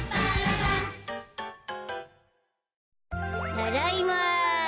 ただいま。